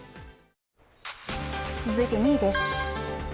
続いて２位です。